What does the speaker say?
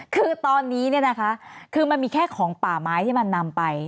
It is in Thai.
คือตอนนี้เนี่ยนะคะคือมันมีแค่ของป่าไม้ที่มันนำไป